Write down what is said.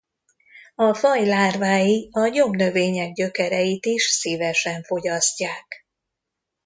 A faj lárvái a gyomnövények gyökereit is szívesen fogyasztják.